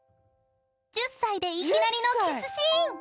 ［１０歳でいきなりのキスシーン］